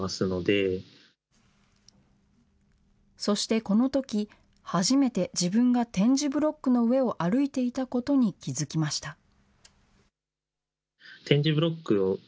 そしてこのとき、初めて自分が点字ブロックの上を歩いていたことに気付きました。